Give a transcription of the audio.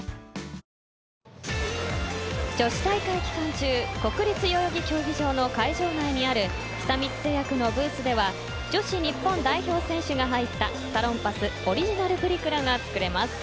中国立代々木競技場の会場内にある久光製薬のブースでは女子日本代表選手が入ったサロンパスオリジナルプリクラが作れます。